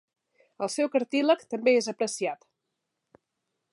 El seu cartílag també és apreciat.